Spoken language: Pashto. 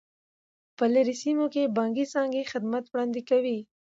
په لیرې سیمو کې بانکي څانګې خدمات وړاندې کوي.